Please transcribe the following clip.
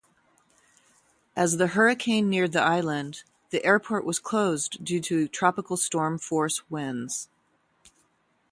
As the hurricane neared the island, the airport was closed due to tropical-storm-force winds.